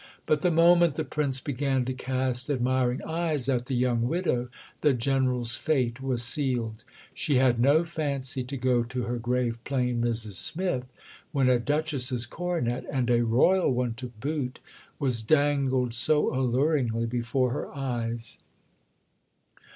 But the moment the Prince began to cast admiring eyes at the young widow the General's fate was sealed. She had no fancy to go to her grave plain "Mrs Smith" when a duchess's coronet (and a Royal one to boot) was dangled so alluringly before her eyes.